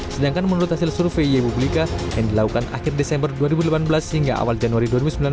sedangkan menurut hasil survei yebulika yang dilakukan akhir desember dua ribu delapan belas hingga awal januari dua ribu sembilan belas